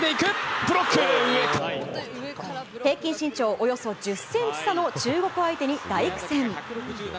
平均身長およそ１０ｃｍ差の中国相手に大苦戦。